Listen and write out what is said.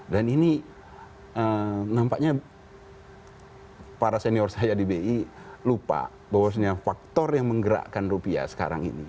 dan ini nampaknya para senior saya di bi lupa bahwasnya faktor yang menggerakkan rupiah sekarang ini